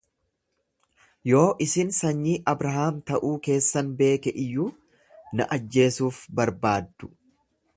Yoo isin sanyii Abrahaam ta'uu keessan beeke iyyuu, na ajjeesuuf barbaaddu.